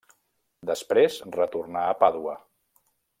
Després retornà a Pàdua.